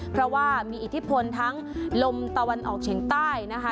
เพราะว่ามีอิทธิพลทั้งลมตะวันออกเฉียงใต้นะคะ